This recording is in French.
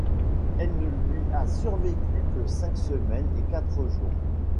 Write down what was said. Elle ne lui a survécu que cinq semaines et quatre jours.